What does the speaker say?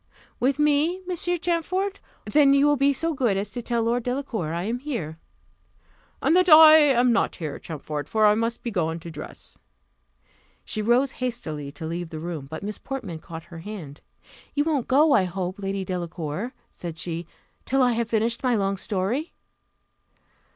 "With me, Monsieur Champfort? then you will be so good as to tell Lord Delacour I am here." "And that I am not here, Champfort; for I must be gone to dress." She rose hastily to leave the room, but Miss Portman caught her hand: "You won't go, I hope, Lady Delacour," said she, "till I have finished my long story?"